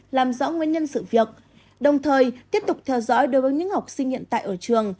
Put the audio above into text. làm rõ nguyên nhân sự việc đồng thời tiếp tục theo dõi đối với những học sinh hiện tại ở trường